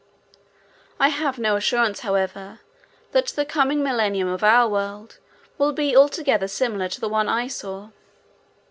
I have no assurance, however, that the coming Millennium of our world will be altogether similar to the one I saw.